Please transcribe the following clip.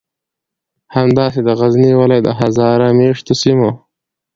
همداسې د غزنی ولایت د هزاره میشتو سیمو